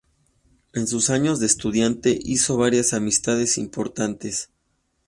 En sus años de estudiante hizo varias amistades importantes.